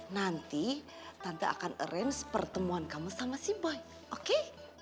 nanti tante akan arrange pertemuan kamu sama si bayi oke